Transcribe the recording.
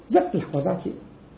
rất là có giá trị